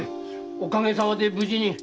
おかげさまで無事に。